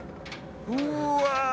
うわ！